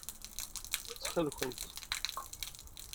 Ttxil-kent.